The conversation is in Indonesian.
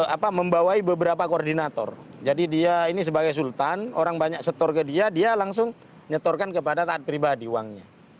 apa membawa beberapa koordinator jadi dia ini sebagai sultan orang banyak setor ke dia dia langsung nyetorkan kepada taat pribadi uangnya